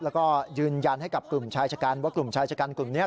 แล้วก็ยืนยันให้กับกลุ่มชายชะกันว่ากลุ่มชายชะกันกลุ่มนี้